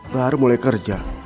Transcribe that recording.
baru mulai kerja